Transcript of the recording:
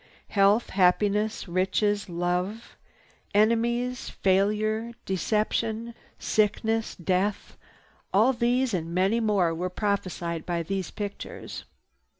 Health, happiness, riches, love, enemies, failure, deception, sickness, death—all these and many more were prophesied by these pictures.